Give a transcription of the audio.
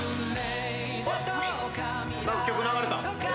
何か曲流れた。